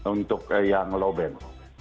untuk yang low band